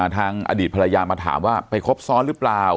อดีตภรรยามาถามว่าไปครบซ้อนหรือเปล่า